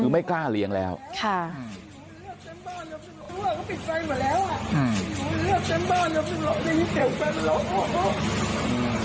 คือไม่กล้าเลี้ยงแล้วค่ะ